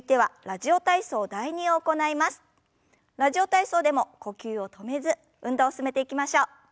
「ラジオ体操」でも呼吸を止めず運動を進めていきましょう。